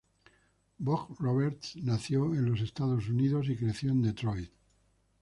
Vogt-Roberts nació en los Estados Unidos y creció en Detroit.